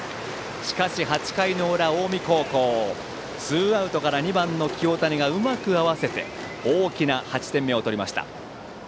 しかし８回の裏、近江高校ツーアウトから２番の清谷がうまく合わせて大きな８点目を取りました。